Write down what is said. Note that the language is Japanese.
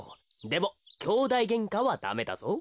でもきょうだいげんかはダメだぞ。